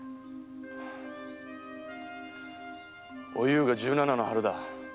おゆうが十七歳の春だ。